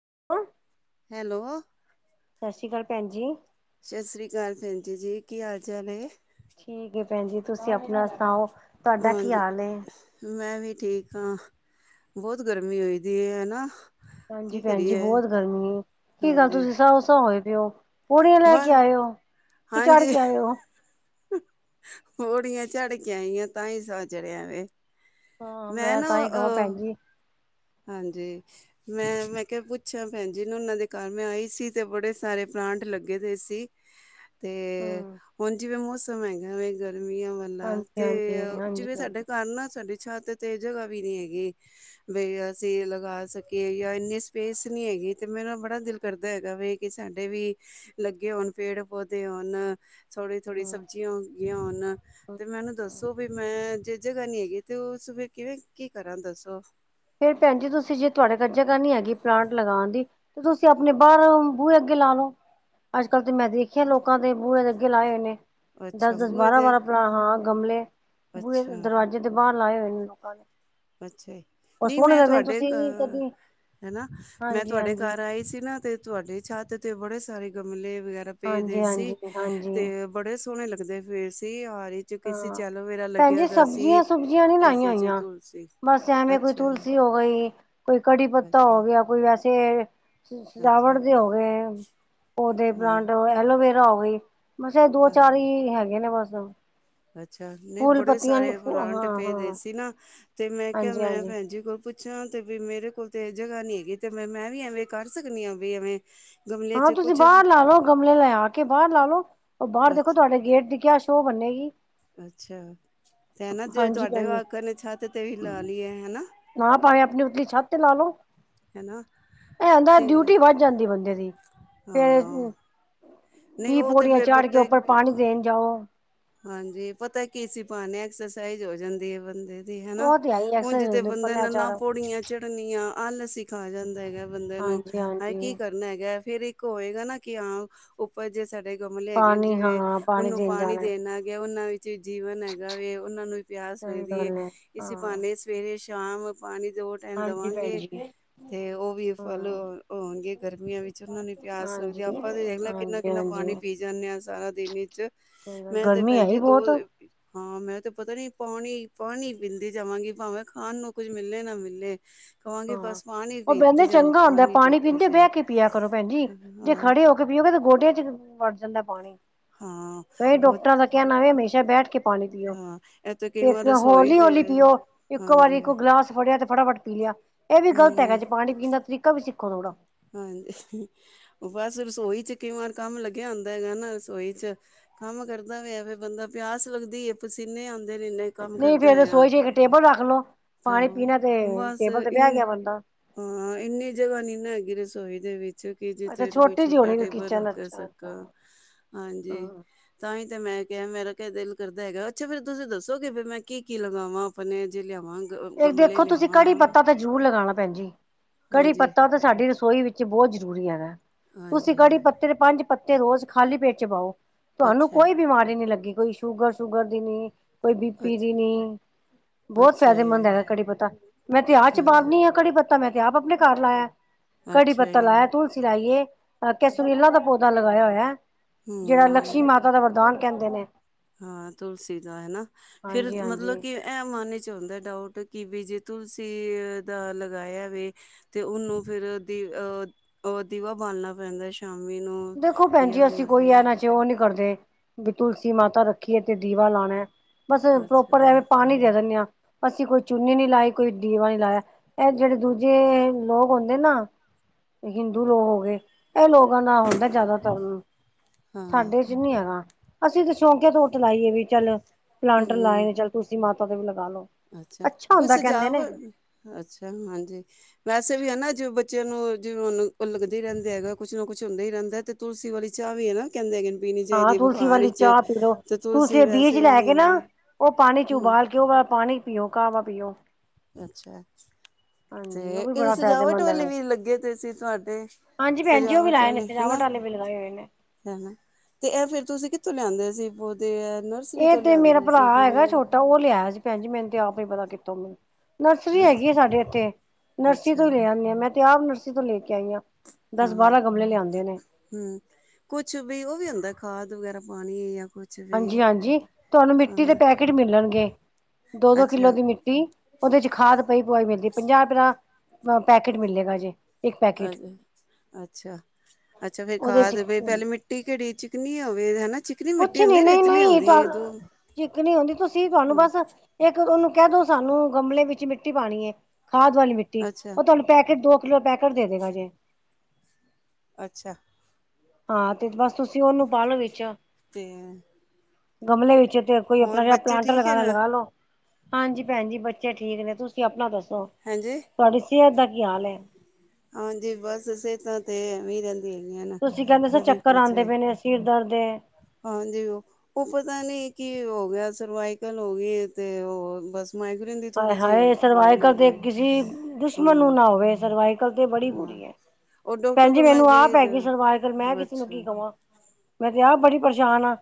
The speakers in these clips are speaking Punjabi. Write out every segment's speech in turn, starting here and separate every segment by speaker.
Speaker 1: [unintelligible]
Speaker 2: ਹੈਲੋ
Speaker 1: ਸਸ ਸ਼੍ਰੀ ਕਾਲ ਭੈਣ ਜੀ।
Speaker 2: ਸਸ ਸ਼੍ਰੀ ਕਾਲ ਭੈਣ ਜੀ-ਜੀ, ਕੀ ਹਾਲ- ਚਾਲ ਏ?
Speaker 1: ਠੀਕ ਐ ਭੈਣ ਜੀ ਤੁਸੀਂ ਆਪਣਾ ਸੁਣਾਓ। ਤੁਹਾਡਾ ਕੀ
Speaker 2: ਹਾਂਜੀ।
Speaker 1: ਹਾਲ ਹੈ
Speaker 2: ਮੈਂ ਵੀ ਠੀਕ ਆਂ, ਬੋਤ ਗਰਮੀ ਹੋਈ ਦੀ ਐ ਨਾ।
Speaker 1: ਹਾਂਜੀ
Speaker 2: ਕੀ
Speaker 1: ਭੈਣਜੀ
Speaker 2: ਕਰੀਏ
Speaker 1: ਬੋਤ ਗਰਮੀ ਐ, ਕੀ ਗੱਲ
Speaker 2: ਹਾਂਜੀ
Speaker 1: ਤੁਸੀਂ ਸਾਔ-ਸਾਹ ਹੋਏ ਪਏਓ। ਪੋੜੀਆਂ ਲੈ ਕੇ
Speaker 2: ਬਸ
Speaker 1: ਆਏ ਓ ਕਿ ਚੜ
Speaker 2: ਹਾਂਜੀ
Speaker 1: ਕੇ ਆਏਓ।
Speaker 2: ਪੌੜੀਆਂ ਝੜ ਕੇਈਆਂ ਤਾਂ ਹੀ ਸਾਅ ਚੜਿਆ ਵੇ।
Speaker 1: ਹਾਂ
Speaker 2: ਮੈਂ ਨਾ
Speaker 1: ਤਾਂ ਹੀ
Speaker 2: ਉਹ
Speaker 1: ਕਵਾਂ ਭੈਣ
Speaker 2: ਅਹ
Speaker 1: ਜੀ
Speaker 2: ਹਾਂਜੀ। ਮੈਂ ਮੈਂ ਕਿਆ ਪੁੱਛਾਂ ਭੈਣ ਜੀ ਨੂੰ ਉਹਨਾਂ ਦੇ ਘਰ ਮੈਂ ਆਈ ਸੀ ਤੇ ਬੜੇ ਸਾਰੇ ਪਲਾਂਟ ਲੱਗੇ ਦੇ ਸੀ। ਤੇ
Speaker 1: ਹਮ
Speaker 2: ਹੁਣ ਜਿਵੇਂ ਮੌਸਮ ਹੈਗਾਵੇ ਗਰਮੀਆਂ ਵਾ ਲਾ
Speaker 1: ਹਾਂਜੀ
Speaker 2: ਤੇ
Speaker 1: ਹਾਂਜੀ
Speaker 2: ਅ
Speaker 1: ਹਾਂਜੀ
Speaker 2: ਜਿਵੇਂ
Speaker 1: ਭੈਣ
Speaker 2: ਸਾਡੇ
Speaker 1: ਜੀ
Speaker 2: ਘਰ ਨਾ ਸਾਡੇ ਛੱਤ ਤੇ ਤੇ ਜਗ੍ਹਾ ਵੀ ਨੀਂ ਹੈਗੀ ਬਈ ਅਸੀਂ ਲਗਾ ਸਕੀਏ ਜਾਂ ਇੰਨੀ ਸਪੇਸ ਨ੍ਹੀਂ ਹੈਗੀ ਤੇ ਮੈਨੂੰ ਬੜਾ ਦਿਲ ਕਰਦਾ ਹੈਗਾ ਵੀ ਕਿ ਸਾਡੇ ਵੀ ਲੱਗੇ ਹੋਣ, ਪੇੜ ਪੌਦੇੇ ਹੋਣ, ਥੋੜ੍ਹੀ-ਥੋੜੀ
Speaker 1: ਹਮ
Speaker 2: ਸਬਜ਼ੀਆਂ ਉੱਗੀਆਂ ਹੋਣ। ਤੇ ਮੈਨੂੰ ਦੱਸੋ ਵੀ ਮੈਂ ਜੇ ਜਗ੍ਹਾ ਨੀ ਹੈਗੀ ਤੇ ਉਸ ਫਿਰ ਕਿਵੇਂ ਕੀ ਕਰਾਂ ਦੱਸੋ?
Speaker 1: ਫੇਰ ਭੈਣ ਜੀ ਤੁਸੀਂ ਜੇ ਤੁਹਾਡੇ ਘਰ ਜਗ੍ਹਾ ਨ੍ਹੀਂ ਹੈਗੀ ਪਲਾਂਟ ਲਗਾਣ ਦੀ ਤੇ ਤੁਸੀਂ ਆਪਣੇ ਬਾਰ ਬੂਐ ਅੱਗੇ ਲਾ ਲਓ, ਅੱਜ-ਕੱਲ੍ਹ ਤੇ ਮੈਂ ਦੇਖਿਆ ਲੋਕਾਂ ਦੇ ਬੂਹੇ ਦੇ ਅੱਗੇ ਲਾਏ ਹੋਏ ਨੇ।
Speaker 2: ਅੱਛਾ
Speaker 1: ਦਸ-ਦਸ,
Speaker 2: ਬੂਹੇ ਦੇ
Speaker 1: ਬਾਰਾਂ-ਬਾਰਾਂ ਪ
Speaker 2: ਅੱਗੇ
Speaker 1: ਹਾਂ ਗਮਲੇ ਬੂਐ ਦੇ
Speaker 2: ਅੱਛਾ
Speaker 1: ਦਰਵਾਜ਼ੇ ਦੇ ਬਾਰ ਲਾਏ ਹੋਏ ਨੇ ਲੋਕਾਂ ਨੇ।
Speaker 2: ਅੱਛਾ ਜੀ।
Speaker 1: ਉਹ
Speaker 2: ਨਈਂ
Speaker 1: ਸੋਹਣੇ
Speaker 2: ਮੈਂ
Speaker 1: ਲੱਗਦੇ ਨੇ
Speaker 2: ਤੁਆਡੇ ਅ
Speaker 1: ਤੁਸੀਂ ਕਦੀ
Speaker 2: ਹੈ ਨਾ ਮੈਂ
Speaker 1: ਹਾਂਜੀ
Speaker 2: ਤੁਹਾਡੇ
Speaker 1: ਹਾਂਜੀ
Speaker 2: ਘਰ ਆਈ ਸੀ ਨਾ ਤੇ ਤੁਆਡੀ ਛੱਤ ਤੇ ਬੜੇ ਸਾਰੇ ਗਮਲੇ ਵਗੈਰਾ ਪੇਏ ਦੇ
Speaker 1: ਹਾਂਜੀ
Speaker 2: ਸੀ
Speaker 1: ਹਾਂਜੀ ਹਾਂਜੀ
Speaker 2: ਤੇ ਬੜੇ ਸੋਣੇ ਲੱਗਦੇ ਪੇ ਸੀ ਆ ਰੀ ਕਿਸੇ
Speaker 1: ਹਾਂ
Speaker 2: ਚ ਐਲੋਵੇਰਾ
Speaker 1: ਭੈਣ
Speaker 2: ਲੱਗਿਆ
Speaker 1: ਜੀ
Speaker 2: ਦਾ
Speaker 1: ਸਬਜ਼ੀਆਂ
Speaker 2: ਸੀ,
Speaker 1: ਸੁਬਜ਼ੀਆਂ ਨੀ ਲਾਈਆਂ
Speaker 2: ਕਿਸੇ ਚ
Speaker 1: ਹੋਈਆਂ
Speaker 2: ਤੁਲਸੀ।
Speaker 1: ਬਸ ਇਹ ਮੇ ਕੋਈ
Speaker 2: ਅੱਛਾ
Speaker 1: ਤੁਲਸੀ ਹੋ ਗਈ ਕੋਈ ਕੜੀ ਪੱਤਾ
Speaker 2: ਅੱਛਾ
Speaker 1: ਹੋ ਗਿਆ ਕੋਈ ਵੈਸੇ ਸਜਾਵੜ
Speaker 2: ਅੱਛਾ
Speaker 1: ਦੇ ਹੋ ਗਏ ਉਹਦੇ
Speaker 2: ਹਾਂਜੀ
Speaker 1: ਪਲਾਂਟ ਐਲੋਵੇਰਾ ਹੋ ਗਈ। ਬਸ ਇਹ
Speaker 2: ਹਾਂਜੀ
Speaker 1: ਦੋ-ਚਾਰ ਈ ਹੈਗੇ ਨੇ ਬਸ।
Speaker 2: ਅੱਛਾ ਨਈਂ
Speaker 1: ਫੁੱਲ
Speaker 2: ਬੜੇ
Speaker 1: ਪੱਤੀਆਂ
Speaker 2: ਸਾਰੇ
Speaker 1: ਹਾਂ
Speaker 2: ਪਲਾਂਟ ਪਏ ਦੇ
Speaker 1: ਹਾਂ
Speaker 2: ਸੀ ਨਾ ਤੇ ਮੈਂ ਕਿਆ
Speaker 1: ਹਾਂਜੀ
Speaker 2: ਮੈਂ
Speaker 1: ਹਾਂਜੀ
Speaker 2: ਭੈਣ ਜੀ ਕੋਲ ਪੁ ਅੱਛਾ ਤੇ ਵੀ ਮੇਰੇ ਕੋਲ ਤੇ ਇਹ ਜਗ੍ਹਾ ਨੀ ਹੈਗੀ ਤੇ ਮੈਂ ਵੀ ਐਵੇਂ ਕਰ ਸਕਣੀ ਆਂ ਵੀ ਐਵੇਂ ਗਮਲੇ
Speaker 1: ਹਾਂ
Speaker 2: ਚ
Speaker 1: ਤੁਸੀਂ
Speaker 2: ਕੁਛ
Speaker 1: ਬਾਹਰ ਲਾ ਲਓ ਗਮਲੇ ਲਿਆ ਕੇ ਬਾਰ ਲਾ ਲੋ ਉਹ ਬਾਰ ਦੇਖੋ
Speaker 2: ਅੱਛਾ
Speaker 1: ਤੁਹਾਡੇ ਗੇਟ ਦੀ ਕਿਆ ਸੋ਼ਅ ਬੰਨੇਗੀ।
Speaker 2: ਅੱਛਾ ਤੇ ਨਾਂ ਜੇ
Speaker 1: ਹਾਂਜੀ
Speaker 2: ਤੁਆਡੇ
Speaker 1: ਭੈਣ ਜੀ
Speaker 2: ਵਾਕਣ ਛੱਤ ਤੇ ਵੀ ਲਾ ਲਈਏ ਹੈਨਾਂ।
Speaker 1: ਨਾਂ ਭਾਵੇਂ ਆਪਣੀ ਉਤਲੀ ਛੱਤ ਤੇ ਲਾ ਲੋ।
Speaker 2: ਹਨਾ
Speaker 1: ਏ ਐਂਦਾਂ
Speaker 2: ਤੇ
Speaker 1: ਡਿਊਟੀ ਵੱਧ ਜਾਂਦੀ ਬੰਦੇ ਦੀ
Speaker 2: ਹਾਂ
Speaker 1: ਫਿਰਰ
Speaker 2: ਨਹੀਂ
Speaker 1: ਵੀਹ
Speaker 2: ਉਹ ਤੇ
Speaker 1: ਪੌੜੀਆਂ
Speaker 2: ਫੇਰ
Speaker 1: ਚੱੜ ਕੇ ਉੱਪਰ
Speaker 2: ਪਤਾ
Speaker 1: ਪਾਣੀ ਦੇਣ ਜਾਓ।
Speaker 2: ਹਾਂਜੀ ਪਤਾ ਕੀ ਇਸੀਂ ਪਾਣੇ ਐਕਸਰਸਾਈਜ਼ ਹੋ ਜਾਂਦੀ ਐ ਬੰਦੇ ਦੀ ਹਨਾਂ,
Speaker 1: ਉਹ ਤੇ ਹੈ ਹੀ
Speaker 2: ਉਂਝ
Speaker 1: ਐਕਸਰਸਾਈਜ਼
Speaker 2: ਤੇ
Speaker 1: ਹੁੰਦੀ ਉੱਪਰ
Speaker 2: ਬੰਦਾ
Speaker 1: ਲੈ
Speaker 2: ਨਾ
Speaker 1: ਚੜੋ
Speaker 2: ਪੋੜੀਆਂ ਚੜਨੀਆਂ ਆਲਸ ਈ ਖਾ ਜਾਂਦਾ ਹੈਗਾ ਬੰਦੇ ਨੂੰ ਹਾਏ ਕੀ
Speaker 1: ਹਾਂਜੀ-ਹਾਂਜੀ
Speaker 2: ਕਰਨਾ ਹੈਗਾ ਫੇਰ ਇੱਕ ਹੋਏਗਾ ਨਾ ਕਿ ਹਾਂ ਉੱਪਰ ਜੇ ਸਾਡੇ ਗਮਲੇ ਹੈਗੇ ਨੇ
Speaker 1: ਪਾਣੀ
Speaker 2: ਜਿਵੇਂ
Speaker 1: ਹਾਂ
Speaker 2: ਉਹਨੂੰ
Speaker 1: ਦੇਣ
Speaker 2: ਪਾਣੀ
Speaker 1: ਜਾਣਾ
Speaker 2: ਦੇਣ ਗਿਆ ਉਹਨਾਂ ਵਿੱਚ ਜੀਵਨ ਹੈਗਾ ਵੇ ਉਹਨਾਂ ਨੂੰ ਵੀ ਪਿਆਸ
Speaker 1: ਸਹੀ
Speaker 2: ਲੱਗਦੀ ਏ
Speaker 1: ਗੱਲ ਹੈ
Speaker 2: ਇਸੀ
Speaker 1: ਹਾਂ
Speaker 2: ਪਾਣੇ ਸਵੇਰੇ ਸ਼ਾਮ ਪਾਣੀ ਦੋ ਟਾਈਮ
Speaker 1: ਹਾਂਜੀ ਭੈਣ
Speaker 2: ਦੇਵਾਂਗੇ
Speaker 1: ਜੀ
Speaker 2: ਤੇ ਉਹ ਵੀ ਫਲ
Speaker 1: ਹਾਂ
Speaker 2: ਹੋਣਗੇ ਗਰਮੀਆਂ ਵਿੱਚ ਉਹਨਾਂ ਨੇ ਪਿਆਸ ਲੱਗਦੀ ਐ, ਆਪਾਂ ਦੇਖ ਲੈ ਕਿੰਨਾ-ਕਿੰਨਾ
Speaker 1: ਹਾਂਜੀ-ਹਾਂਜੀ-ਹਾਂਜੀ
Speaker 2: ਪਾਣੀ ਪੀ ਜਾਂਣੇ ਆਂ ਸਾਰਾ ਦਿਨ ਇਚ।
Speaker 1: ਸਹੀ ਗੱਲ
Speaker 2: ਮੈਂ ਤੇ
Speaker 1: ਗਰਮੀ ਹੈ ਹੀ
Speaker 2: ਭੈਣਜੀ ਦੋ
Speaker 1: ਬਹੁਤ
Speaker 2: ਹਾਂ ਮੈਂ ਤੇ ਪਤਾ ਨੀ ਪਾਣੀ, ਪਾਣੀ ਪੀਂਦੀ ਜਾਵਾਂਗੀ ਭਾਵੇਂ ਖਾਣ ਨੂੰ ਕੁੱਝ ਮਿਲਲੇ ਨਾ ਮਿਲਲੇ।
Speaker 1: ਹਾਂ ਉਹ ਬਹਿੰਦੇ ਚੰਗਾ ਹੁੰਂਦਾ ਪਾਣੀ
Speaker 2: ਪੀਤੀ
Speaker 1: ਪੀਂਦੇ
Speaker 2: ਜੇ
Speaker 1: ਬਹਿ ਕੇ ਪੀਆ ਕਰੋ ਭੈਣਜੀ ਜੇ
Speaker 2: ਹਾਂ
Speaker 1: ਖੜੇ ਹੋ ਕੇ ਪੀਓਗੇ ਤੇ ਗੋਡਿਆਂ ਚ ਵੜ ਜਾਂਦਾ ਪਾਣੀ
Speaker 2: ਹਾਂ
Speaker 1: ਏਈ
Speaker 2: ਉਹ
Speaker 1: ਡਾਕਟਰਾਂ ਦਾ ਕਹਿਣਾ ਵੇ ਹਮੇਸ਼ਾ ਬੈਠ ਕੇ ਪਾਣੀ ਪੀਓ,
Speaker 2: ਹਾਂ ਇਹ ਤਾਂ ਕਈ ਵਾਰ
Speaker 1: ਇੱਕ
Speaker 2: ਰਸੋਈ
Speaker 1: ਹੌਲੀ
Speaker 2: ਦੇ
Speaker 1: -ਹੌਲੀ ਪੀਓ, ਇੱਕੋ ਵਾਰੀ
Speaker 2: ਹਾਂਜੀ
Speaker 1: ਇੱਕ ਗਿਲਾਸ ਫੜੇਆ ਤੇ ਫਟਾਫਟ ਪੀ ਲਿਆ, ਏਹ ਵੀ ਗਲਤ ਹੈਗਾ
Speaker 2: ਹੂੰ
Speaker 1: ਜੇ, ਪਾਣੀ ਪੀਣ ਦਾ ਤਰੀਕਾ ਵੀ ਸਿੱਖੋ ਥੋੜਾ।
Speaker 2: ਹਾਂਜੀ, ਬਸ ਰਸੋਈ 'ਚ ਕਈ ਵਾਰ ਕੰਮ ਲੱਗੇਆ ਹੁੰਦਾ ਹੈਗਾ ਨਾ ਰਸੋਈ ਚ। ਕੰਮ ਕਰਦਾ ਵੇ ਫੇਰ ਬੰਦਾ, ਪਿਆਸ ਲੱਗਦੀ ਐ ਪਸੀਨੇ ਆਂਦੇ ਨੇ ਇੰਨੇ। ਕੰਮ
Speaker 1: ਨਹੀਂ
Speaker 2: ਕਰਦੇ
Speaker 1: ਫੇਰ
Speaker 2: ਹੋਏਆਂ,
Speaker 1: ਰਸੋਈ ਚ ਇੱਕ ਟੇਬਲ ਰੱਖ ਲੋ
Speaker 2: ਤੇ
Speaker 1: ਪਾਣੀ ਪੀਣਾ
Speaker 2: ਬਸ
Speaker 1: ਟੇਬਲ ਤੇ ਬਹਿ
Speaker 2: ਇਨ
Speaker 1: ਗਿਆ ਬੰਦਾ
Speaker 2: ਹਾਂ, ਇੰਨੇ ਜਗ੍ਹਾ ਨੀ ਨਾ ਹੈਗੀ ਰਸੋਈ ਦੇ ਵਿੱਚ। ਕਿ
Speaker 1: ਅੱਛਾ
Speaker 2: ਜਿੱਥੇ ਕੋਈ
Speaker 1: ਛੋਟੀ ਜਿਹੀ
Speaker 2: ਛੋਟਾ
Speaker 1: ਹੋਣੀ
Speaker 2: ਟੇਬਲ
Speaker 1: ਕਿਚਨ
Speaker 2: ਰਖ
Speaker 1: ਅੱਛਾ ਅੱਛਾ
Speaker 2: ਸਕਾਂ, ਹਾਂਜੀ।
Speaker 1: ਹੂੰ
Speaker 2: ਤਾਂ ਹੀ ਤੇ ਮੈਂ ਕਿਆ, ਮੇਰਾ ਕੇ ਦਿਲ ਕਰਦਾ ਹੈਗਾ, ਅੱਛਾ ਫੇਰ ਤੁਸੀਂ ਦੱਸੋਗੇ ਫੇਰ ਮੈਂ ਕੀ- ਕੀ ਲਗਾਵਾਂ? ਅਪਨੇ ਜੇ ਲਿਆਵਾਂ, ਗ ਗਮਲੇ ਲਿਆਵਾਂ।
Speaker 1: ਜਰੂਰ ਲਗਾਣਾ ਭੈਂਜੀ ਕੜੀ
Speaker 2: ਹਾਂਜੀ
Speaker 1: ਪੱਤਾ ਤਾਂ, ਸਾਡੀ ਰਸੋਈ ਵਿੱਚ ਬੌਤ ਜਰੂਰੀ ਹੈਗਾ। ਤੁਸੀ
Speaker 2: ਹਾਂਜੀ
Speaker 1: ਕੜੀ ਪੱਤੇ ਦੇ, ਪੰਜ ਪੱਤੇ ਰੋਜ ਖਾਲੀ ਪੇਟ ਚ ਪਾਓ। ਤੁਆਨੂੰ
Speaker 2: ਅੱਛਾ ਜੀ
Speaker 1: ਕੋਈ ਬਿਮਾਰੀ ਨੀ ਲੱਗੀ ਕੋਈ ਸ਼ੂਗਰ- ਸ਼ੂਗਰ ਦੀ ਨੀ। ਕੋਈ, ਬੀਪੀ
Speaker 2: ਅੱਛਾ
Speaker 1: ਦੀ ਨੀ ਬੌਤ
Speaker 2: ਅੱਛਾ
Speaker 1: ਸਾਰ
Speaker 2: ਜੀ,
Speaker 1: ਮੰਗਾਏਆ ਕੜੀ ਪੱਤਾ, ਮੈਂ ਤੇ ਆਹ ਚ ਪਾ
Speaker 2: ਅੱਛਾ
Speaker 1: ਦਨੀਂ ਆ ਕੜੀ ਪੱਤਾ, ਮੈਂ ਤੇ ਆਪ ਆਪਣੇ ਘਰ ਲਾਇਆ। ਕੜੀ
Speaker 2: ਅੱਛਾ
Speaker 1: ਪੱਤਾ ਲਾਏਆ,
Speaker 2: ਜੀ,
Speaker 1: ਤੁਲਸੀ ਲਾਈ ਏ, ਕੈਸੂਰੀਲਾ ਦਾ ਪੌਦਾ ਲਗਾਏਆ ਹੋਏਆ। ਜੇਹੜਾ, ਲਕਸ਼ਮੀ
Speaker 2: ਹੂੰ।
Speaker 1: ਮਾਤਾ ਦਾ ਵਰਦਾਨ ਕੈਂਦੇ ਨੇ।
Speaker 2: ਹਾਂ, ਤੁਲਸੀ ਦਾ ਹੈਨਾ, ਫੇਰ
Speaker 1: ਹਾਂਜੀ
Speaker 2: ਮਤਲਬ
Speaker 1: ਹਾਂਜੀ
Speaker 2: ਕਿ ਐ ਮਨ 'ਚ ਹੁੰਦਾ ਡਾਊਟ ਕਿ ਵੀ ਜੇ ਤੁਲਸੀ ਦਾ ਲਗਾਏਆ ਵੇ। ਤੇ, ਓਨੂੰ ਫੇਰ ਦੀ, ਅ, ਅ ਦੀਵਾ ਬਾਲਨਾ ਪੈਂਦਾ ਸ਼ ਸ਼ਾਮੀ, ਨੂੰ ਯਾ ਉਨਾਂ ਤੇ
Speaker 1: ਤੇ ਓ ਨੀ ਕਰਦੇ ਵੀ, ਤੁਲਸੀ ਮਾਤਾ ਰੱਖੀ ਏ, ਤੇ ਦੀਵਾ ਲਾਨਾ। ਬਸ,
Speaker 2: ਅੱਛਾ
Speaker 1: ਪ੍ਰੋਪਰ ਐ ਵੇ ਪਾਨੀ ਦੇ ਦੇਨੇ ਆ, ਅਸੀਂ ਕੋਈ ਚੁੰਨੀ ਨੀ ਲਾਈ, ਕੋਈ ਦੀਵਾ ਨੀ ਲਾਏਆ। ਐ ਜੇਹੜੇ ਦੂਜੇ ਲੋਗ ਹੁੰਦੇ ਨਾ, ਹਿੰਦੂ ਲੋਗ ਹੋ ਗਏ, ਐ ਲੋਗਾਂ ਨੂੰ ਜੈਅਦਾਤਰ,
Speaker 2: ਹਾਂ
Speaker 1: ਸਾਡੇ 'ਚ ਨੀ ਹੈਗਾ। ਅਸੀ ਤੇ ਸ਼ੌਂਕੀਆ ਤੌਰ ਤੇ ਲਾਈ ਏ, ਵੀ ਚੱਲ ਪਲਾਂਟ ਲਾਏ
Speaker 2: ਹੂੰ
Speaker 1: ਨੇ, ਚੱਲ ਤੁਲਸੀ ਮਾਤਾ ਦਾ ਵੀ ਲਗਾ ਲੋੋ।
Speaker 2: ਅੱਛਾ, ਕੋਈ ਸਜਾਵਟ ਅੱਛਾ, ਹਾਂਜੀ। ਵੈਸੇ ਵੀ, ਹੈ ਨਾ ਜਿਵੇਂ ਬੱਚਿਆਂ ਨੂੰ ਜਿਵੇਂ ਹੁਨ ਲੱਗਦੇ ਈ ਰੈੰਦੇ ਹੈਗਾ, ਕੁੱਛ ਨਾ ਕੁੱਛ ਹੁੰਦਾ ਹੀ ਰੈੰਦਾ ਤੇ ਤੁਲਸੀ, ਵਾਲੀ ਚਾਹ ਵੀ ਐ ਨਾ। ਕੈੰਦੇ ਹੈਗੇ ਨ, ਪੀਣੀ
Speaker 1: ਹਾਂ
Speaker 2: ਚਾਈਦੀ ਐ
Speaker 1: ਤੁਲਸੀ
Speaker 2: ਬੁਖਾਰ
Speaker 1: ਵਾਲੀ
Speaker 2: ਵਿਚ,
Speaker 1: ਚਾਹ ਪੀ ਲੋ
Speaker 2: ਤੇ ਤੁਲਸੀ ਵੈਸੇ ਵੀ ਵਦੀਆ ਹੁੰਦੀ।
Speaker 1: ਓ ਪਾਣੀ 'ਚ
Speaker 2: ਹੂੰ
Speaker 1: ਉਬਾਲ ਕੇ, ਓ ਵਾ ਪਾਨੀ ਪੀਓ ਕਾਹਵਾ ਪੀਓ।
Speaker 2: ਅੱਛਾ,
Speaker 1: ਹਾਂਜੀ ਉਹ
Speaker 2: ਤੇ
Speaker 1: ਵੀ
Speaker 2: ਏਹ
Speaker 1: ਬੜਾ
Speaker 2: ਸਜਾਵਟ
Speaker 1: ਫਾਇਦੇਮੰਦ
Speaker 2: ਵਾਲੇ
Speaker 1: ਹੈਗਾ
Speaker 2: ਵੀ ਲੱਗੇ ਤੇ ਸੀ, ਤੁਆਡੇ।
Speaker 1: ਹਾਂਜੀ, ਭੈਣਜੀ ਓ ਵੀ ਲਾਏ ਨੇ, ਸਜਾਵਟ ਵਾਲੇ ਵੀ ਲਗਾਏ ਹੋਏ ਨੇ।
Speaker 2: ਹੈਨਾ, ਤੇ ਐ ਫੇਰ ਤੁਸੀਂ ਕਿੱਥੋਂ ਲਿਆਂਦੇ ਸੀ ਪੌਦੇ ਐ ਨਰ?
Speaker 1: ਏਹ ਤੇ ਮੇਰਾ ਭਰਾ ਹੈਗਾ ਛੋਟਾ ਓ ਲਿਆਏਆ ਸੀ ਭੈਣ ਜੀ ਮੈਨੂੰ ਤੇ ਆਪ ਨੀ ਪਤਾ ਕਿੱਥੋਂ ਮਿਲ ਨਰਸਰੀ ਹੈਗੀ ਐ
Speaker 2: ਅੱਛਾ
Speaker 1: ਸਾਡੇ ਇੱਥੇ, ਨਰਸਰੀ ਤੋਂ
Speaker 2: ਅੱਛਾ
Speaker 1: ਹੀ ਲੈ ਆਂਨੇ ਆਂ, ਮੈਂ ਤੇ ਆਪ ਨਰਸਰੀ ਤੋਂ ਲੈ ਕੇ ਆਈ ਹਾਂ। ਦਸ
Speaker 2: ਹਾਂ।
Speaker 1: ਬਾਰਾਂ ਗਮਲੇ ਲਿਆਂਦੇ ਨੇ
Speaker 2: ਹਮ, ਕੁਛ ਵੀ ਓ ਵੀ ਹੁੰਦਾ, ਖਾਦ ਵਗੈਰਾ ਪਾਣੀ ਯਾ ਕੁਛ ਵੀ
Speaker 1: ਹਾਂਜੀ- ਹਾਂਜੀ, ਤੁਆਨੂੰ ਮਿੱਟੀ
Speaker 2: ਖਾਣ
Speaker 1: ਦੇ
Speaker 2: ਦਾ।
Speaker 1: ਪੈਕੇਟ ਮਿਲਣਗੇ, ਦੋ- ਦੋ ਕਿੱਲੋ
Speaker 2: ਅੱਛਾ
Speaker 1: ਦੀ ਮਿੱ ਟੀ, ਓਦੇ ਚ ਖਾਦ ਪਈ ਪੁਆਈ ਮਿਲਦੀ, ਪੰਜਾਹ ਰਪਏ ਦਾ ਪੈਕੇਟ ਮਿਲੇਗਾ ਜੇ ਇੱਕ ਪੈਕੇਟ
Speaker 2: ਅੱਛਾ, ਅੱਛਾ ਫਿਰ
Speaker 1: ਉਹਦੇ ਚ
Speaker 2: ਖਾਦ ਵੀ ਪੈਲੇ ਮਿੱ ਟੀ ਕੇੜੀ ਚਿਕਨੀ ਹੋਵੇ ਹੈਨਾ ਚਿ
Speaker 1: ਕੁਛ ਨੀ, ਨਈ -ਨਈ ਤੁਆ ਚਿਕਨੀ ਹੁੰਦੀ, ਤੁਸੀ ਤੁਆਨੂੰ
Speaker 2: ਹੂੰ
Speaker 1: ਬਸ ਇੱਕ, ਓਨੂੰ ਕੇਹ ਦੋ, ਸਾਨੂੰ ਗਮਲੇ ਵਿੱਚ ਮਿੱਟੀ ਪਾਣੀ ਏ, ਖਾਦ ਵਾਲੀ ਮਿੱਟੀ,
Speaker 2: ਅੱਛਾ
Speaker 1: ਉਹ ਤੁਆਨੂੰ ਪੈਕੇਟ, ਦੋ ਕਿਲੋ ਪੈਕੇਟ ਦੇ ਦੇਗਾ ਜੇ।
Speaker 2: ਅੱਛਾ।
Speaker 1: ਹਾਂ ਤੇ ਬਸ ਤੁਸੀਂ ਔਨੂੰ ਪਾ ਲੋ ਵਿੱਚ
Speaker 2: ਤੇਂ
Speaker 1: ਗਮਲੇ ਵਿੱਚ ਤੇ ਕੋਈ ਆਪਣਾ ਜਿ
Speaker 2: ਬੱਚੇ
Speaker 1: ਪਲਾਂਟ
Speaker 2: ਠੀਕ ਹੈ
Speaker 1: ਲਗਾਣਾ
Speaker 2: ਨਾ
Speaker 1: ਲਗਾ ਲੋ। ਹਾਂਜੀ ਭੈਣਜੀ ਬੱਚੇ ਠੀਕ ਨੇ, ਤੁਸੀਂ ਅਪਣਾ ਦੱਸੋ
Speaker 2: ਹਾਂਜੀ
Speaker 1: ਤੁਆਡੀ ਸਿਯਤ ਦਾ ਕੀ ਹਾਲ ਏ।
Speaker 2: ਹਾਂਜੀ, ਬਸ ਇਸੇ ਤਾਂ ਤੇ ਐਂਵੇਈ ਰੈਂ ਦੇਨੀਆਂ ਨ [unintelligible]
Speaker 1: ਤੁਸੀਂ ਕੈਂਦੇ ਸੀ ਚੱਕਰ ਆਦੇ ਪਏ ਨੇ, ਸਿਰ ਦਰਦ ਏ।
Speaker 2: ਹਾਂਜੀਵ [unintelligible] ਔ ਪਤਾ ਨੀ ਕਿ ਹੋ ਗਿਆ ਸਰਵਾਈਕਲ ਹੋ ਗਈ ਤੇ ਔਹ ਬਸ ਮਾਈਗ੍ਰੇਨ ਦੀ
Speaker 1: ਆਏ
Speaker 2: ਥੋੜ੍ਹੀ
Speaker 1: -ਹਾਏ
Speaker 2: ਜਿਹੀ
Speaker 1: ਸਰਵਾਈਕਲ
Speaker 2: ਪ੍ਰੋਬਲਮ
Speaker 1: ਤੇ
Speaker 2: ਹੈ
Speaker 1: ਕਿਸੇ ਦੁਸ਼ਮਣ ਨੂੰ
Speaker 2: ਹਾਂ
Speaker 1: ਨਾ ਹੋਵੇ। ਸਰਵਾਈ ਕਰਦੇ ਬੜੀ
Speaker 2: ਹਾਂ
Speaker 1: ਬੁਰੀ ਏ,
Speaker 2: ਉਹ ਡਾਕਟਰ
Speaker 1: ਭੈਣ ਜੀ
Speaker 2: ਕੋਲ ਮੈਂ
Speaker 1: ਮੈਨੂੰ ਆਪ
Speaker 2: ਗਈ
Speaker 1: ਪੈ ਗੀ ਸਰਵਾਇਕਲ ਮੈਂ ਕਿਸੇ ਨੂੰ ਕੀ
Speaker 2: ਅੱਛਾ
Speaker 1: ਕਵਾਂ। ਮੈਂ ਤੇ ਆਪ ਬੜੀ ਪਰੇਸ਼ਾਨ ਆਂ,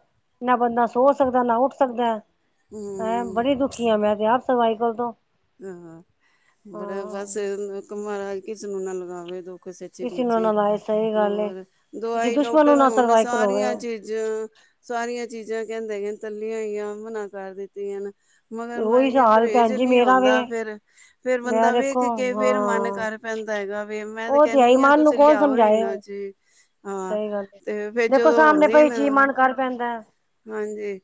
Speaker 1: ਨਾ ਬੰਦਾ ਸੋ ਸਕਦਾ, ਨਾ ਉੱਠ ਸਕਦਾ ਹੈਂ।
Speaker 2: ਹਮ
Speaker 1: ਬੜੀ ਦੁਖੀ ਆ ਮੈਂ ਤੇ ਆਪ ਸਵਾਈ ਕੋਲ ਤੋਂ
Speaker 2: ਅਹਹ, ਬੜਾ
Speaker 1: ਹਾਂ
Speaker 2: ਬਸ ਮਾਰਾਜ ਕਿਸੇ ਨੂੰ ਨਾ ਲਗਾਵੇ ਦੁ ਸਚੇ
Speaker 1: ਕਿਸੇ ਨੂੰ
Speaker 2: ਮੁਚੇ
Speaker 1: ਨਾ ਲਾਏ ਸਹੀ
Speaker 2: [unintelligible]
Speaker 1: ਗੱਲ ਏ।
Speaker 2: ਹੋਰ
Speaker 1: ਕਿਸੇ
Speaker 2: ਦਵਾਈ
Speaker 1: ਦੁਸ਼ਮਣ
Speaker 2: ਡਾਕਟਰ
Speaker 1: ਨੂੰ
Speaker 2: ਨੇ
Speaker 1: ਨਾ
Speaker 2: ਹੁਣ
Speaker 1: ਸਰਵਾਈਕਲ ਹੋਵੇ
Speaker 2: ਸਾਰੀਆਂ ਚ ਚ ਸਾਰੀਆਂ ਚੀਜ਼ਾਂ ਕੈਂਦੇ ਨੇ ਤੱਲੀਆਂ ਹੀਈਆਂ। ਮਨਾ ਕਰ ਦਿੱਤੀਆਂ ਨੇ ਮਗਰ
Speaker 1: ਤੇ
Speaker 2: ਮਰ
Speaker 1: ਉਹੀ
Speaker 2: ਗਿਆ
Speaker 1: ਹਾਲ
Speaker 2: ਪਰੇਜ
Speaker 1: ਭੈਣ ਜੀ
Speaker 2: ਨੀ ਆਉਂ
Speaker 1: ਮੇਰਾ ਵੇ।
Speaker 2: ਦਾ ਫੇਰ, ਫੇਰ
Speaker 1: ਮੈਂ
Speaker 2: ਬੰਦਾ ਵੇਖ
Speaker 1: ਦੇਖੋ
Speaker 2: ਕੇ ਫੇਰ ਮਨ
Speaker 1: ਹਾਂ
Speaker 2: ਕਰ ਪੈਂਦਾ ਹੈਗਾ ਵੇ, ਮੈਂ ਤੇ
Speaker 1: ਉਹ ਹੈ ਹੀ
Speaker 2: ਕੈਂਨੀ ਆ
Speaker 1: ਮਨ ਨੂੰ
Speaker 2: ਤੁਸੀਂ
Speaker 1: ਕੌਣ
Speaker 2: ਲਿਆਔ
Speaker 1: ਸਮਝਾਏ
Speaker 2: ਇਨਾ
Speaker 1: ਹੁਣ।
Speaker 2: ਚਿ- ਹਾਂ
Speaker 1: ਸਹੀ ਗੱਲ ਹੈ
Speaker 2: ਤੇ ਫੇਰ
Speaker 1: ਦੇਖੋ
Speaker 2: ਜਦੋਂ
Speaker 1: ਸਾਹਮਣੇ
Speaker 2: ਹੋਂਦੀ ਏ
Speaker 1: ਪਈ
Speaker 2: ਨਾ
Speaker 1: ਚੀਜ਼ ਮਨ ਕਰ ਪੈਂਦਾ
Speaker 2: ਹਾਂਜੀ,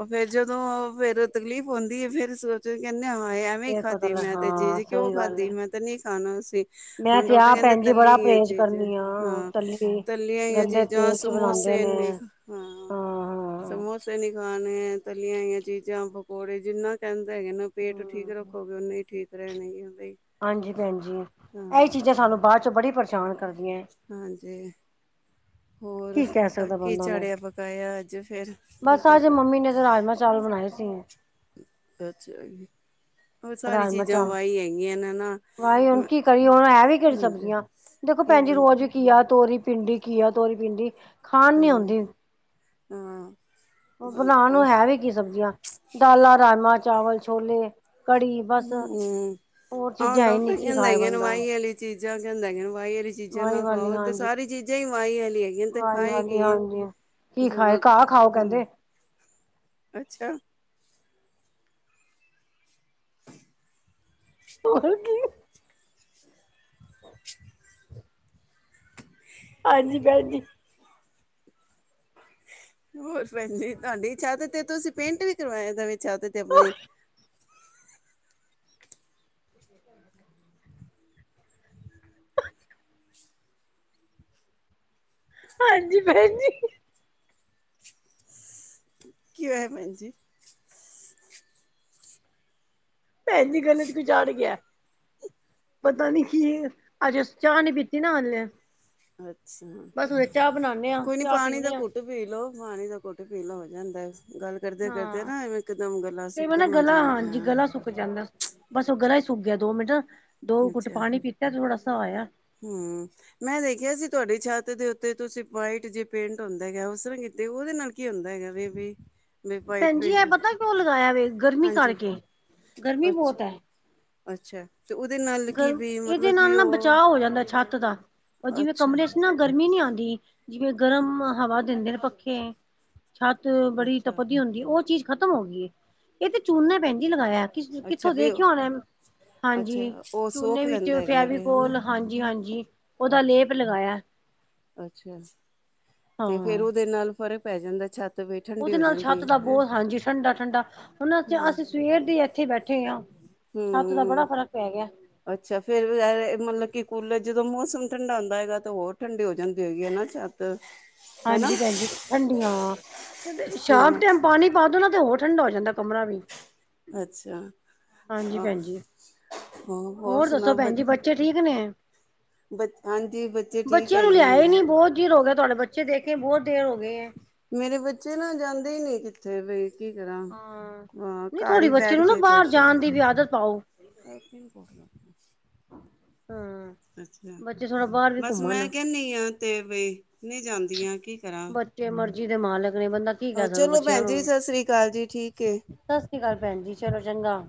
Speaker 2: ਔ ਫੇਰ ਜਦੋਂ ਔ ਫੇਰ ਤਕਲੀਫ਼ ਹੋਂਦੀ ਏ, ਫੇਰ ਸੋਚਦੀ ਕੈਂਨੀ ਹਾ ਏਵ ਵੇ
Speaker 1: ਫੇਰ ਪਤਾ
Speaker 2: ਖਾਧੀ
Speaker 1: ਲੱਗ
Speaker 2: ਮੈਂ ਤੇ
Speaker 1: ਹਾਂ
Speaker 2: ਚੀਜ਼ ਕਿਉਂ
Speaker 1: ਸਹੀ ਗੱਲ
Speaker 2: ਖਾਦੀ,
Speaker 1: ਹੈ
Speaker 2: ਮੈਂ ਤੇ ਨਹੀਂ ਖਾਣਾ ਸੀਂ,
Speaker 1: ਮੈਂ
Speaker 2: ਹੁਣ
Speaker 1: ਤੇ
Speaker 2: ਡਾਕਟਰ
Speaker 1: ਆਪ
Speaker 2: ਕੈਂਦੇ
Speaker 1: ਭੈਣ ਜੀ ਬੜਾ
Speaker 2: ਤੱਲੀ
Speaker 1: ਪਰਹੇਜ਼
Speaker 2: ਚੀ ਜਾਂ,
Speaker 1: ਕਰਨੀ ਆ
Speaker 2: ਹਾਂ
Speaker 1: ਤੱਲੀ
Speaker 2: ਤੱਲੀਆਂਈ ਐ
Speaker 1: ਗੰਦੇ
Speaker 2: ਚੀਜ਼ਾਂ
Speaker 1: ਤੇਲ ਚ ਬਣਾਉਂਦੇ
Speaker 2: ਸਮੋਸੇ
Speaker 1: ਨੇ
Speaker 2: ਏਨੇ ਹਾਂ ਸਮੋਸੇ ਨੀ ਖਾਣੇ ਐ, ਤਲੀਆਂ ਹੋਈਆਂ ਚੀਜ਼ਾਂ, ਪਕੌੜੇ ਜਿੰਨਾ ਕੈਂਦੇ ਹੈਗੇ ਨੇ ਪੇਟ ਠੀਕ
Speaker 1: ਹਮ
Speaker 2: ਰੱਖੋਗੇ ਔਨੇ ਈ ਠੀਕ ਰੈਨਗੇ ਬਈ
Speaker 1: ਹਾਂਜੀ ਭੈਣਜੀ, ਐਈ
Speaker 2: ਹਾਂ
Speaker 1: ਚੀਜ਼ਾਂ ਸਾਨੂੰ ਬਾਚੋ ਬੜੀ ਪਰੇਸ਼ਾਨ। ਕਰਦੀਆਂ
Speaker 2: ਹਾਂਜੀ। ਹੋਰ
Speaker 1: ਕੀ ਕਹਿ ਸਕਦਾ
Speaker 2: ਕਿ
Speaker 1: ਬੰਦਾ ਉਹਨੇ
Speaker 2: ਝਾੜਿਆ -ਪਕਾਯਾ ਅੱਜ ਫੇਰ, ਕੀ
Speaker 1: ਬਸ ਅੱਜ
Speaker 2: ਖਾਦੈ
Speaker 1: ਮੰਮੀ ਨੇ ਤੇ ਰਾਜਮਾਂ [inaudible]
Speaker 2: ਅੱਛਾ ਜੀ। ਔਹ ਸਾਰੀ
Speaker 1: ਰਾਜਮਾਂ
Speaker 2: ਚੀਜ਼ਾਂ
Speaker 1: ਚਾਵਲ
Speaker 2: ਵਾਈ ਹੈਗੀਆਂ ਨੇ ਨਾ,
Speaker 1: ਵਾਹੀ ਹੁਣ
Speaker 2: ਨਅ,
Speaker 1: ਕੀ ਕਰੀਏ ਹੁਣ ਹੈ ਵੀ ਕਿਹੜੀ
Speaker 2: ਹਾਂਜੀ
Speaker 1: ਸਬਜ਼ੀਆਂ ਦੇਖੋ
Speaker 2: ਕੀ ਬ
Speaker 1: ਭੈਣਜੀ ਰੋਜ ਕੀਆ, ਤੋਰੀ, ਪਿੰਡੀ, ਕੀਆ, ਤੋਰੀ, ਪਿੰਡੀ ਖਾਣ ਨੀ
Speaker 2: ਹਮ,
Speaker 1: ਆਉਂਦੀ
Speaker 2: ਹਾਂ
Speaker 1: ਅ
Speaker 2: ਹਮ
Speaker 1: ਬਣਾਣ ਨੂੰ ਹੈ ਵੀ ਕੀ ਸਬਜ਼ੀਆਂ, ਦਾਲਾਂ, ਰਜਮਾਂ, ਚਾਵਲ, ਛੋਲੇ, ਕੜੀ ਬਸ
Speaker 2: ਹਮ -ਹਮ
Speaker 1: ਹੋਰ
Speaker 2: ਆਹੋ,
Speaker 1: ਚੀਜ਼ਾਂ ਹੈ ਨੀ
Speaker 2: ਡਾਕਟਰ
Speaker 1: ਕੀ
Speaker 2: ਕੈਂਦੇ
Speaker 1: ਖਾਏ
Speaker 2: ਹੈਗੇ ਏਨੂੰ
Speaker 1: ਬੰਦਾ
Speaker 2: ਵਾਈ ਏਲੀ ਚੀਜ਼ਾ ਕਿਉਂ ਲੈਣੇ ਔ, ਵਾ ਈ ਚੀਜ਼ਾਂ
Speaker 1: ਆਹੀ
Speaker 2: ਨਾ
Speaker 1: ਵਾਲੀ
Speaker 2: ਖਾਔ ਤੇ
Speaker 1: ਹਾਂਜੀ
Speaker 2: ਸਾਰੀ ਚੀਜ਼ਾਂ ਈ ਵਾਹੀ ਵਾਲੀ ਹੈਗ ਵਿਲ ਤੇ
Speaker 1: ਆਹੀ ਵਾਲੀ
Speaker 2: ਖਾਏਗੀ
Speaker 1: ਹਾਂਜੀ ਕੀ
Speaker 2: ਜੋ
Speaker 1: ਖਾਏ ਘਾਹ ਖਾਓ
Speaker 2: ਹਾਂ
Speaker 1: ਕਹਿੰਦੇ
Speaker 2: [unintelligible] ਅੱਛਾ। [inaudible]
Speaker 1: ਆਹ ਕੀ? ਹਾਂਜੀ ਭੈਂ ਜੀ
Speaker 2: ਹੋਰ ਭੈਂਜੀ ਤਾਡੀ ਛਾਤ ਤੇ ਤੁਸੀਂ ਪੇਂਟ ਵੀ ਕਰਵਾਯਾ ਨਵੀ ਛੱਤ ਤੇ ਅਪਣੀ
Speaker 1: ਹਾਂਜੀ ਭੈਣ ਜੀ।
Speaker 2: ਕੀ ਹੋਯਾ ਭੈਂਜੀ।
Speaker 1: ਭੈਜੀ ਗੱਲੇ ਚ ਕੁਛ ਆੜ ਗਿਆ। ਪਤਾ ਨੀ ਕੀ ਅੱਜ ਅਸੀ ਚਾ ਨੀ ਪੀਤੀ ਨਾ ਹਲੇ
Speaker 2: ਅੱਛਾ
Speaker 1: ਬਸ ਹੁਣੇ ਚਾਹ ਬਣਾਉਦੇ ਆ
Speaker 2: ਕੋਈ ਨੀ
Speaker 1: ਚਾਹ
Speaker 2: ਪਾਣੀ ਦਾ
Speaker 1: ਪੀਂਦੇ ਆ
Speaker 2: ਘੁਟ ਘੁਟ ਪੀ ਲਓ ਪਾਣੀ ਦਾ ਘੁਟ ਪੀਲਾ ਹੋ ਜਾਂਦਾ ਗੱਲ ਕਰਦੇ ਕਰਦੇ
Speaker 1: ਹਾਂ
Speaker 2: ਨਾ ਐਵੇਂ ਇਕ ਦਮ ਗਲਾ ਸੁੱਕਣ ਲੱਗ ਜਾਂਦਾ ਆ
Speaker 1: ਸੁਕ ਜਾਂਦਾ ਬਸ ਉਹ ਗਲਾ ਹੀ ਸੁਕ ਗਿਆ ਦੋ ਮਿੰਟ ਦੋ ਕੁੱਟ ਪਾਣੀ ਪੀਤਾ ਤੇ ਥੋੜਾ ਸ ਹੋਇਆ
Speaker 2: ਹਮ ਮੈਂ ਦੇਖਿਆ ਸੀ ਤੁਹਾਡੀ ਛੱਤ ਦੇ ਉੱਤੇ ਤੁਸੀਂ ਵਾਈਟ ਜੇ ਪੇਂਟ ਹੁੰਦਾ ਹੈਗਾ ਉਸ ਤਰ੍ਹਾਂ ਕੀਤੇ ਉਹਦੇ ਨਾਲ ਕੀ ਹੁੰਦਾ ਹੈਗਾ ਵੀ ਵੀ ਵੀ ਵਾਈਟ
Speaker 1: ਭੈਣਜੀ ਇਹ
Speaker 2: ਪੇਂਟ
Speaker 1: ਪਤਾ ਕਿ ਉਹ ਲਗਾਇਆ ਵੇ ਗਰਮੀ
Speaker 2: ਹਾਂਜੀ
Speaker 1: ਕਰਕੇ ਗਰਮੀ
Speaker 2: ਅੱਛਾ
Speaker 1: ਬਹੁਤ ਹੈ
Speaker 2: ਅੱਛਾ ਤੇ ਉਹਦੇ ਨਾਲ ਕੀ
Speaker 1: ਗਰਮ
Speaker 2: ਵੀ
Speaker 1: ਇਹਦੇ
Speaker 2: ਮਤਲਬ
Speaker 1: ਨਾਲ
Speaker 2: ਕਿ
Speaker 1: ਨਾ
Speaker 2: ਉਹ
Speaker 1: ਬਚਾਅ ਹੋ ਜਾਂਦਾ ਛੱਤ ਦਾ ਉਹ ਜਿਵੇਂ
Speaker 2: ਅੱਛਾ
Speaker 1: ਕਮਰੇ ਇਨਾ ਗਰਮੀ ਨੀ ਆਉਂਦੀ ਜਿਵੇਂ ਗਰਮ ਹਵਾ ਦਿੰਦੇ ਨੇ ਪੱਖੇ ਛੱਤ ਬੜੀ
Speaker 2: ਅੱਛਾ
Speaker 1: ਤਪਦੀ ਹੁੰਦੀ ਉਹ ਚੀਜ਼ ਖ਼ਤਮ ਹੋ ਗਈ ਏ ਇਹ ਤੇ ਚੂਨਾਂ ਭੈਣ ਜੀ ਲਗਾਇਆ
Speaker 2: ਅੱਛਾ
Speaker 1: ਕਿੱਥੋਂ
Speaker 2: ਵੀ ਉਹ
Speaker 1: ਦੇਖਿਆ ਹੋਨਾ
Speaker 2: ਅੱਛਾ
Speaker 1: ਹਾਂਜੀ
Speaker 2: ਉਹ
Speaker 1: ਚੂਨੇ
Speaker 2: ਸੋਖ
Speaker 1: ਵਿੱਚ
Speaker 2: ਲੈਂਦਾ ਹੈਗਾ ਵੇ ਹਨਾ
Speaker 1: ਫੈਵੀਕੋਲ ਹਾਂਜੀ ਹਾਂਜੀ ਉਹਦਾ ਲੇਪ
Speaker 2: ਅੱਛਾ
Speaker 1: ਲਗਾਇਆ
Speaker 2: ਅੱਛਾ ਤੇ ਫੇਰ
Speaker 1: ਹਾਂ
Speaker 2: ਉਹਦੇ ਨਾਲ ਫ਼ਰਕ ਪੈ ਜਾਂਦਾ ਛੱਤ ਵੀ ਠੰਡੀ
Speaker 1: ਉਹਦੇ
Speaker 2: ਹੋ
Speaker 1: ਨਾਲ ਛੱਤ
Speaker 2: ਜਾਂਦੀ
Speaker 1: ਦਾ
Speaker 2: ਹੈ
Speaker 1: ਬਹੁਤ ਹਾਂਜੀ ਠੰਡਾ ਠੰਡਾ ਹੁਣ
Speaker 2: ਹੂੰ
Speaker 1: ਅਸੀਂ ਸਵੇਰ ਦੇ ਇੱਥੇ ਬੈਠੇ ਹਾਂ ਛੱਤ ਦਾ ਬੜਾ
Speaker 2: ਹੂੰ
Speaker 1: ਫ਼ਰਕ ਪੈ ਗਿਆ
Speaker 2: ਅੱਛਾ ਫੇਰ ਵੈ ਮਤਲਬ ਕਿ ਕੂਲਰ ਜਦੋਂ ਮੌਸਮ ਠੰਡਾ ਹੁੰਦਾ ਹੈਗਾ ਤਾਂ ਹੋਰ ਠੰਡੀ ਹੋ ਜਾਂਦੀ ਹੋਏਗੀ ਹੈ ਨਾ ਛੱਤ ਅ
Speaker 1: ਹਾਂਜੀ ਭੈਣਜੀ ਠੰਡੀਆਂ ਤੇ
Speaker 2: ਹਾਂ
Speaker 1: ਸ਼ਾਮ ਟਾਈਮ ਪਾਣੀ ਪਾ ਦੋ ਨਾ ਤੇ ਹੋਰ ਠੰਡਾ ਹੋ ਜਾਂਦਾ ਕਮਰਾ ਵੀ
Speaker 2: ਅੱਛਾ
Speaker 1: ਹਾਂਜੀ
Speaker 2: ਆਹ
Speaker 1: ਭੈਣ ਜੀ ਹੋਰ
Speaker 2: ਸੁਣਾ
Speaker 1: ਦੱਸੋ
Speaker 2: ਬ
Speaker 1: ਭੈਣ ਜੀ ਬੱਚੇ ਠੀਕ ਨੇ
Speaker 2: ਬ ਹਾਂਜੀ ਬੱਚੇ ਠੀਕ
Speaker 1: ਬੱਚਿਆਂ ਨੂੰ
Speaker 2: ਹੈਗੇ
Speaker 1: ਲਿਆਏ ਈ
Speaker 2: ਨੇ
Speaker 1: ਨੀ ਬਹੁਤ ਚਿਰ ਹੋ ਗਿਆ ਤੁਹਾਡੇ ਬੱਚੇ ਦੇਖੇ ਬਹੁਤ ਦੇਰ ਹੋ ਗਈ ਏ
Speaker 2: ਮੇਰੇ ਬੱਚੇ ਨਾ ਜਾਂਦੇ ਹੀ ਨੀ ਕਿੱਥੇ ਵੀ ਕੀ ਕਰਾਂ
Speaker 1: ਹਾਂ
Speaker 2: ਹਾਂ
Speaker 1: ਨਹੀਂ
Speaker 2: ਘਰ
Speaker 1: ਥੋੜੀ
Speaker 2: ਹੀ
Speaker 1: ਬੱਚੇ
Speaker 2: ਬੈਠ
Speaker 1: ਨੂੰ ਨਾ
Speaker 2: ਕੇ
Speaker 1: ਬਾਹਰ
Speaker 2: ਖ਼ੁਸ਼ ਏ
Speaker 1: ਜਾਣ ਦੀ ਵੀ ਆਦਤ ਪਾਓ
Speaker 2: ਅੱਛਾ
Speaker 1: ਹਾਂ ਬੱਚੇ ਥੋੜਾ ਬਾਹਰ ਵੀ
Speaker 2: ਬਸ ਮੈਂ
Speaker 1: ਘੁੰਮਣ
Speaker 2: ਕਹਿੰਦੀ ਹਾਂ ਤੇ ਵਈ ਨਹੀਂ ਜਾਂਦੀਆਂ ਕੀ ਕਰਾਂ
Speaker 1: ਬੱਚੇ ਮਰਜ਼ੀ ਦੇ ਮਾਲਕ ਨੇ ਬੰਦਾ ਕੀ ਕਹਿ ਸਕਦਾ
Speaker 2: ਚਲੋ
Speaker 1: ਬੱਚਿਆਂ
Speaker 2: ਭੈਣ
Speaker 1: ਨੂੰ
Speaker 2: ਜੀ ਸਤਿ ਸ੍ਰੀ ਅਕਾਲ ਜੀ ਠੀਕ ਏ
Speaker 1: ਸਤਿ ਸ੍ਰੀ ਅਕਾਲ ਭੈਣ ਜੀ ਚਲੋ ਚੰਗਾ